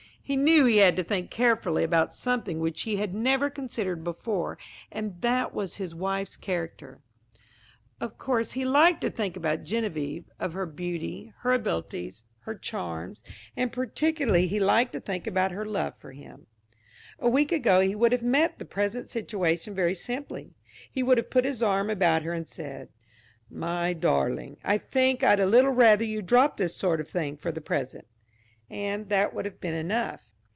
He knew he had to think carefully about something which he had never considered before, and that was his wife's character. Of course he liked to think about Geneviève ; of her beauty, her abilities, her charms; and particularly he liked to think about her love for him. A week ago he would have met the present situation very simply. He would have put his arm about her and said: "My darling, I think I'd a little rather you dropped this sort of thing for the present." And that would have been enough.